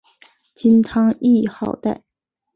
金汤谥号戴。